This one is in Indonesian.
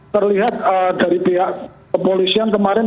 terlihat dari pihak kepolisian kemarin